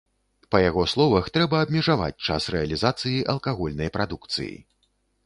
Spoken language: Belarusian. Па яго словах, трэба абмежаваць час рэалізацыі алкагольнай прадукцыі.